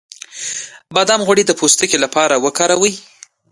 د بادام غوړي د پوستکي لپاره وکاروئ